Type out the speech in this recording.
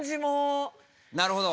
なるほど。